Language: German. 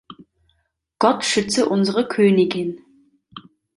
Gott schütze unsere Königin!